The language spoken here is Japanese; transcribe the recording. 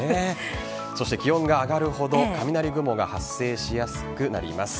気温が上がるほど雷雲が発生しやすくなります。